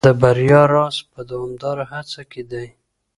د بریا راز په دوامداره هڅه کي دی.